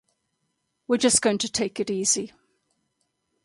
We're just going to take it easy.